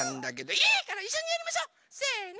いいからいっしょにやりましょ！せの！